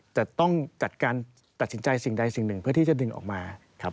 จะต้องจัดการตัดสินใจสิ่งใดสิ่งหนึ่งเพื่อที่จะดึงออกมาครับ